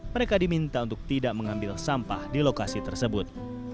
mereka diminta untuk tidak mengambil sampah di lokasi tersebut